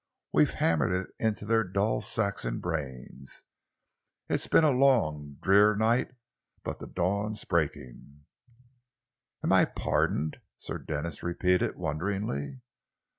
We've hammered it into their dull Saxon brains. It's been a long, drear night, but the dawn's breaking." "And I am pardoned!" Sir Denis repeated wonderingly.